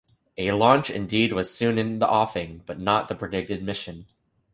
A launch indeed was soon in the offing, but not the predicted mission.